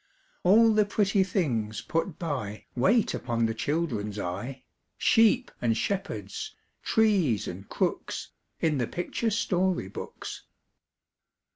All the pretty things put by, Wait upon the children's eye, Sheep and shepherds, trees and crooks, In the picture story books.